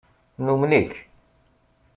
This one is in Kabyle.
Numen-ik.